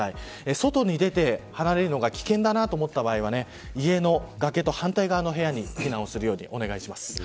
外に出て離れるのが危険だと思った場合は家の崖と反対側の部屋に避難をするようにお願いします。